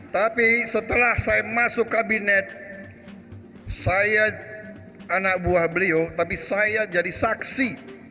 tapi setelah saya masuk kabinet saya anak buah beliau tapi saya jadi saksi